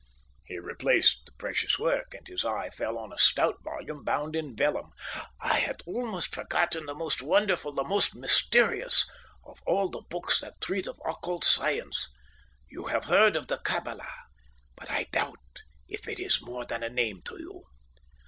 He replaced the precious work, and his eye fell on a stout volume bound in vellum. "I had almost forgotten the most wonderful, the most mysterious, of all the books that treat of occult science. You have heard of the Kabbalah, but I doubt if it is more than a name to you."